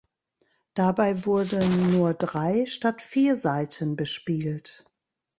Dabei wurden nur drei statt vier Seiten bespielt.